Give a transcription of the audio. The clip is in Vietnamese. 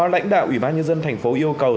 lãnh đạo ubnd thành phố yêu cầu